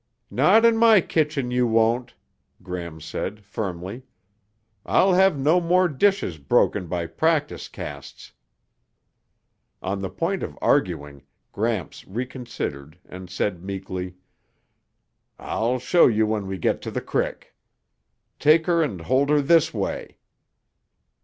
"Not in my kitchen you won't," Gram said firmly. "I'll have no more dishes broken by practice casts." On the point of arguing, Gramps reconsidered and said meekly, "I'll show you when we get on the crick. Take her and hold her this way."